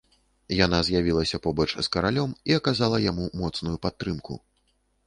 Яна з'явілася побач з каралём і аказала яму моцную падтрымку.